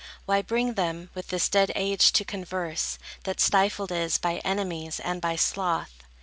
Why bring them, with this dead age to converse, That stifled is by enemies and by sloth?